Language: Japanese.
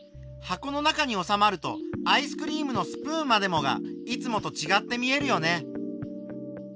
箱の中におさまるとアイスクリームのスプーンまでもがいつもとちがって見えるよね。